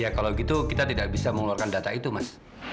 ya kalau gitu kita tidak bisa mengeluarkan data itu mas